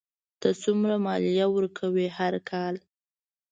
ته څومره مالیه ورکوې هر کال؟